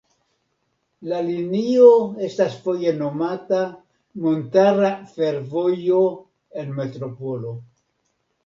La linio estas foje nomata Montara Fervojo en Metropolo.